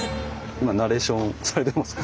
今ナレーションされてますか。